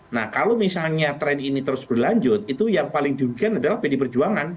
nah kalau misalnya tren ini terus berlanjut itu yang paling diugikan adalah pdi perjuangan